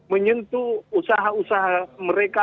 menyentuh usaha usaha mereka